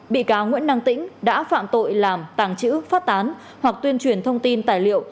bị cáo nguyễn năng tĩnh đã phạm tội làm tàng trữ phát tán hoặc tuyên truyền thông tin tài liệu